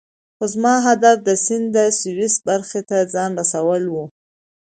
خو زما هدف د سیند سویسی برخې ته ځان رسول وو.